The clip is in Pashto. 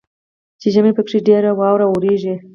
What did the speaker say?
چې ژمي پکښې ډیره واوره اوریږي.